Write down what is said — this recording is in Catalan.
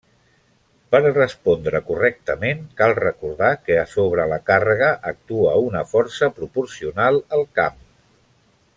Per respondre correctament, cal recordar que sobre la càrrega actua una força proporcional al camp.